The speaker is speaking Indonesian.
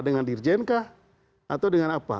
dengan dirjen kah atau dengan apa